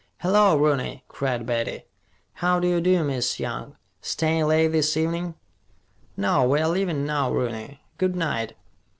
"Hello, Rooney," cried Betty. "How d'ye do, Miss Young! Stayin' late this evenin'?" "No, we're leaving now, Rooney. Good night."